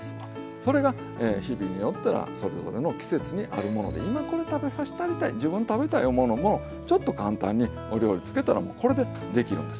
それが日々によったらそれぞれの季節にあるもので今これ食べさしたりたい自分食べたい思うのもちょっと簡単にお料理つけたらもうこれでできるんです。